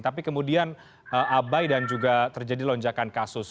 tapi kemudian abai dan juga terjadi lonjakan kasus